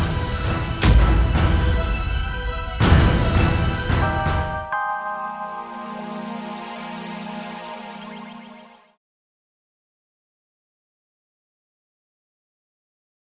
dan kembali ke jalan yang benar